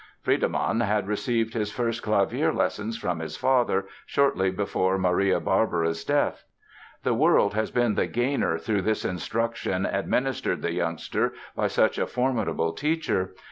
Friedemann had received his first clavier lessons from his father shortly before Maria Barbara's death. The world has been the gainer through this instruction administered the youngster by such a formidable teacher.